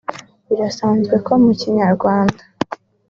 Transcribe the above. Birasanzwe ko mu Kinyarwanda